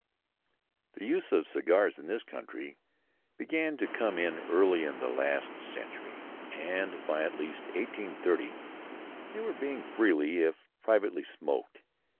The use of cigars in this country began to come in early in the last century; and by at least 1830 they were being freely, if privately, smoked.